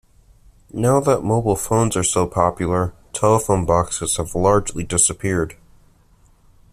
Now that mobile phones are so popular, telephone boxes have largely disappeared